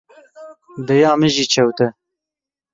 Dêya min jî çewt e.